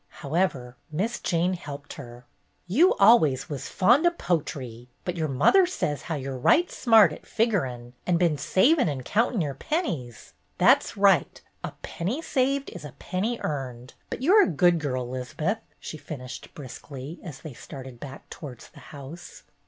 However, Miss Jane helped her. "You always was fond o' potry, but your mother says how you're right smart at figurin' and been savin' and countin' your pennies. That 's right. A penny saved is a penny earned. But you 're a good girl, 'Liz'beth," she finished briskly, as they started back towards the house.